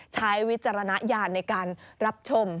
วิจารณญาณในการรับชม